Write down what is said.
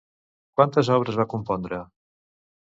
Quantes obres va compondre?